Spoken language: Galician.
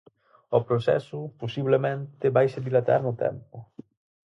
O proceso, posiblemente, vaise dilatar no tempo.